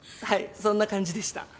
そんな感じでした。